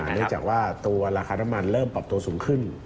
เนื่องจากว่าตัวราคาน้ำมันเริ่มปรับตัวสูงขึ้น